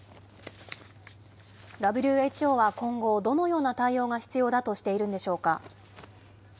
ＷＨＯは今後、どのような対応が必要だとしているんでしょうか。